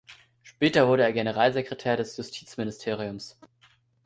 Später wurde er Generalsekretär des Justizministeriums.